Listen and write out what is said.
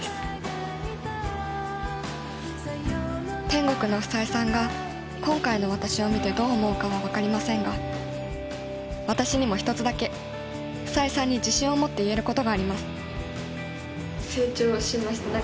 天国の房枝さんが今回の私を見てどう思うかは分かりませんが私にも一つだけ房枝さんに自信を持って言えることがありますっていうのを見てほしいです。